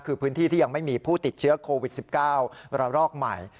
คือพื้นที่ที่ยังไม่มีผู้ติดเชื้อโควิด๑๙ระลอกใหม่